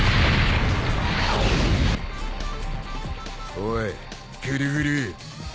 おいぐるぐる。